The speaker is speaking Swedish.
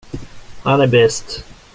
Han är bäst.